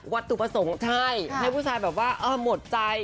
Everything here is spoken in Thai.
ให้ผู้ชายแบบว่าหมดใจ